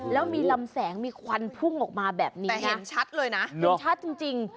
แล้วมีลำแสงมีควันพุ่งออกมาแบบนี้นะแต่เห็นชัดเลยนะจริง